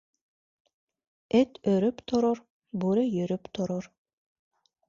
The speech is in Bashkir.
Эт өрөп торор, бүре йөрөп торор.